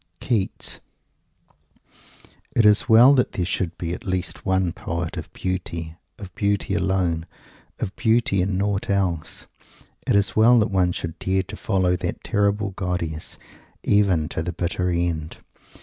KEATS It is well that there should be at least one poet of Beauty of Beauty alone of Beauty and naught else. It is well that one should dare to follow that terrible goddess even to the bitter end.